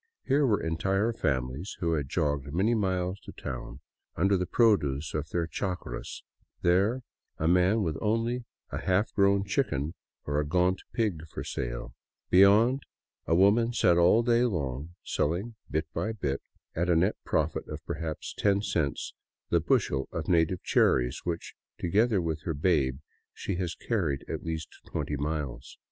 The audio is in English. Here were entire families who had jogged many miles to town under the produce of their chacras; there, a man with only a half grown chicken or a gaunt pig for sale ; beyond, a woman sat all day long sellhig bit by bit, at a net total of perhaps ten cents, the bushel of native cher ries which, together with her babe, she has carried at least twenty miles.